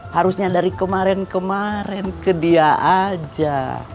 harusnya dari kemarin kemarin ke dia aja